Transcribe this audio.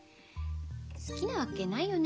好きなわけないよね。